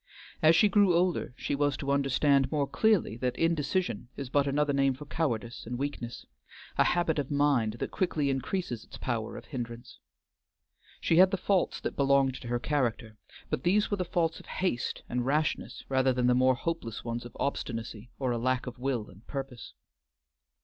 As she grew older she was to understand more clearly that indecision is but another name for cowardice and weakness; a habit of mind that quickly increases its power of hindrance. She had the faults that belonged to her character, but these were the faults of haste and rashness rather than the more hopeless ones of obstinacy or a lack of will and purpose.